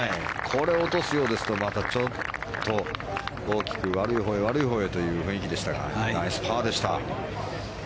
これを落とすようですとまたちょっと大きく悪いほうへ、悪いほうへという雰囲気でしたがナイスパーでした。